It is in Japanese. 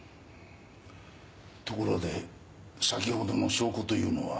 ところで先ほどの証拠というのは。